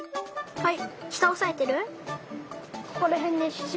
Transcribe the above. はい。